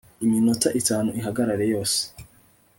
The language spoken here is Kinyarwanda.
Iminota itanu ihagarare yose